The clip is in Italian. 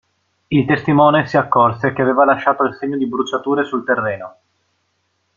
Il testimone si accorse che aveva lasciato il segno di bruciature sul terreno.